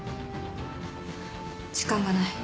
時間がない。